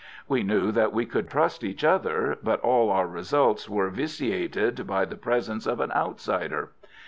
We knew that we could trust each other, but all our results were vitiated by the presence of an outsider.